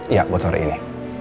iya buat sore ini